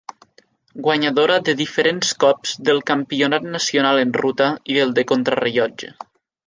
Guanyadora de diferents cops del Campionat nacional en ruta i del de contrarellotge.